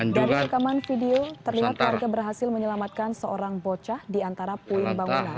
dari rekaman video terlihat warga berhasil menyelamatkan seorang bocah di antara puing bangunan